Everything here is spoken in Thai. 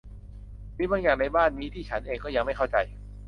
มีบางอย่างในบ้านนี้ที่ฉันเองก็ยังไม่เข้าใจ